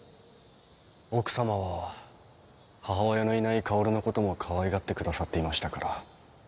奥さまは母親のいない薫のこともかわいがってくださっていましたから